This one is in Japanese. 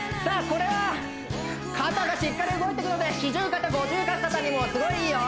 これは肩がしっかり動いてるので四十肩五十肩にもすごいいいよ